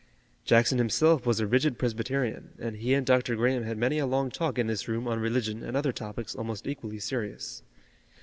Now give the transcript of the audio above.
Jackson himself was a rigid Presbyterian, and he and Dr. Graham had many a long talk in this room on religion and other topics almost equally serious.